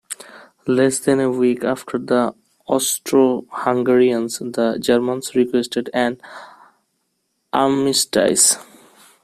Less than a week after the Austro-Hungarians, the Germans requested an armistice.